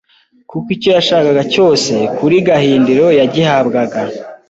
kuko icyo yashakaga cyose kuri Gahindiro yagihabwaga